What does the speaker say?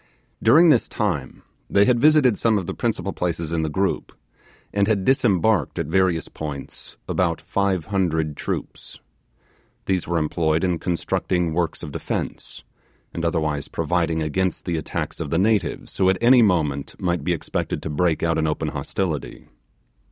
During this time they had visited some of the principal places in the group, and had disembarked at various points about five hundred troops. These were employed in constructing works of defence, and otherwise providing against the attacks of the natives, who at any moment might be expected to break out in open hostility.